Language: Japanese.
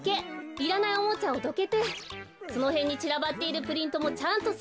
いらないおもちゃをどけてそのへんにちらばっているプリントもちゃんとせいりする！